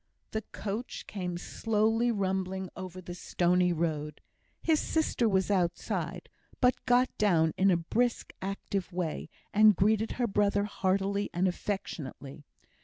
The coach came slowly rumbling over the stony road. His sister was outside, but got down in a brisk active way, and greeted her brother heartily and affectionately.